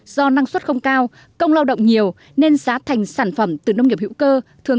do năng suất không cao công lao động nhiều nên xá thành sản phẩm từ nông nghiệp hữu cơ